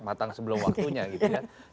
matang sebelum waktunya gitu ya